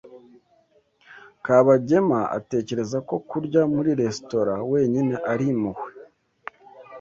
Kabagema atekereza ko kurya muri resitora wenyine ari impuhwe.